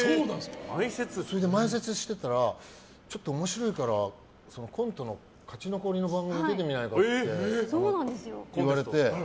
それで前説してたら面白いからコントの勝ち残りの番組に出てみないかって言われて。